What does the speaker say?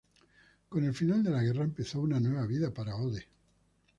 Con el final de la guerra empezó una nueva vida para Ode.